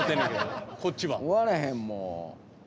終わらへんもう。